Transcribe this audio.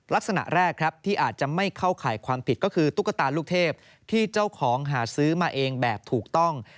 ลักษณะแรกครับที่อาจจะไม่เข้าข่ายความผิดก็คือตุ๊กตาลูกเทพที่เจ้าของหาซื้อมาเองแบบถูกต้อง